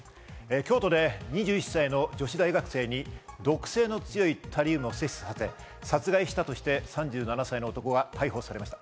京都で２１歳の女子大学生に毒性の強いタリウムを摂取させ、殺害したとして３７歳の男が逮捕されました。